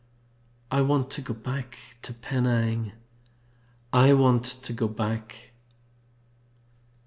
I want to go back to Penang! I want to go back!